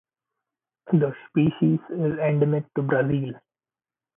The species is endemic to Brazil.